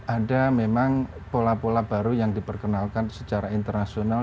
ada memang pola pola baru yang diperkenalkan secara internasional